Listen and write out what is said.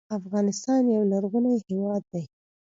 افغانستان یو لرغونی هیواد دی.